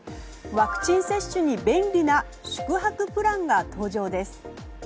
ワクチン接種に便利な宿泊プランが登場です。